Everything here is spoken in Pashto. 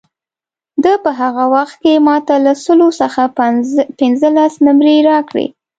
ده په هغه وخت کې ما ته له سلو څخه پنځلس نمرې راکړې.